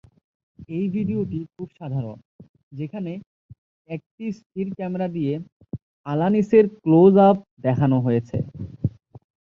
এই ভিডিওটি খুব সাধারণ, যেখানে একটি স্থির ক্যামেরা দিয়ে আলানিসের ক্লোজ-আপ দেখানো হয়েছে।